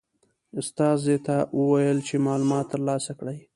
استازي ته وویل چې معلومات ترلاسه کړي.